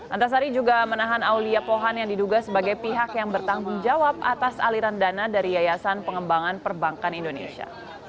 antasari juga menahan aulia pohan yang diduga sebagai pihak yang bertanggung jawab atas aliran dana dari yayasan pengembangan perbankan indonesia